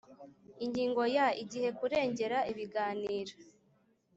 Ingingo ya igihe kurengera ibiganiro